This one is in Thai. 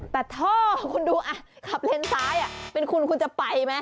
แต่ท่อคุณดูขับเลนซ้ายเป็นคุณคุณจะไปไหม